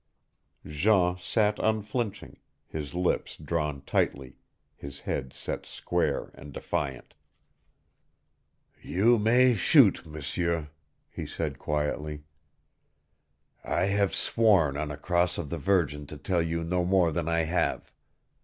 Jean sat unflinching, his lips drawn tightly, his head set square and defiant. "You may shoot, M'seur," he said quietly. "I have sworn on a cross of the Virgin to tell you no more than I have.